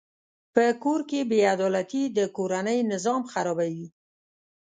په کور کې بېعدالتي د کورنۍ نظام خرابوي.